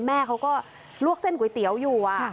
แม่เขาก็ลวกเส้นก๋วยเตี๋ยวอยู่